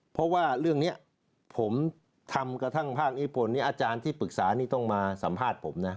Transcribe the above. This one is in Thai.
เพราะว่าเรื่องนี้ผมทำกระทั่งภาคนิพลอาจารย์ที่ปรึกษานี่ต้องมาสัมภาษณ์ผมนะ